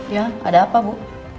ya ada apa bu